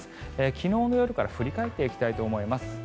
昨日の夜から振り返っていきたいと思います。